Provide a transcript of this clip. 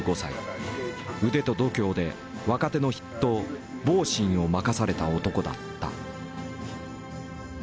腕と度胸で若手の筆頭「ボーシン」を任された男だった。